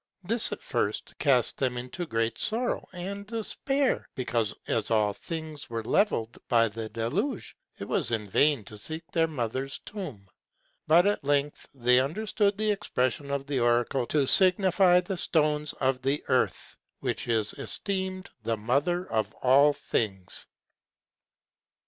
This at first cast them into great sorrow and despair, because, as all things were levelled by the deluge, it was in vain to seek their mother's tomb; but at length they understood the expression of the oracle to signify the stones of the earth, which is esteemed the mother of all things.